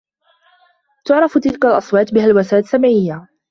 تُعرف تلك الأصوات بهلوسات سمعيّة.